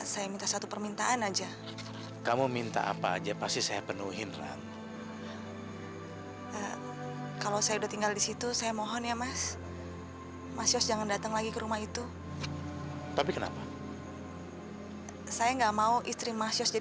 sampai jumpa di video selanjutnya